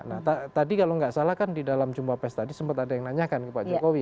nah tadi kalau nggak salah kan di dalam jumlah pes tadi sempat ada yang nanyakan ke pak jokowi